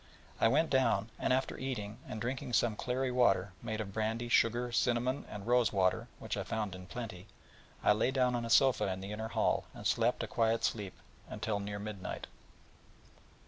I went down, and after eating, and drinking some clary water, made of brandy, sugar, cinnamon, and rose water, which I found in plenty, I lay down on a sofa in the inner hall, and slept a quiet sleep until near midnight.